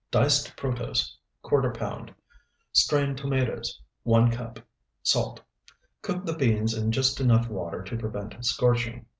Diced protose, ¼ pound. Strained tomatoes, 1 cup. Salt. Cook the beans in just enough water to prevent scorching.